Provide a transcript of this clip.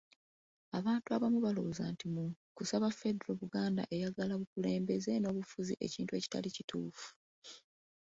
Abantu abamu balowooza nti mu kusaba Federo, Buganda eyagala bukulembeze n’obufuzi ekintu ekitali kituufu.